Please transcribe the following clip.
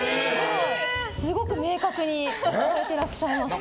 すごく明確に伝えていらっしゃいました。